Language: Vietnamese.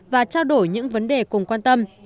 và trao đổi những vấn đề cùng quan tâm